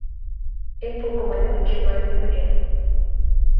É un pouco maior que o paíño pequeno.